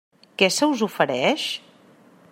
Què se us ofereix?